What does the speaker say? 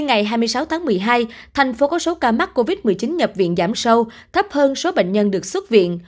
ngày hai mươi sáu tháng một mươi hai thành phố có số ca mắc covid một mươi chín nhập viện giảm sâu thấp hơn số bệnh nhân được xuất viện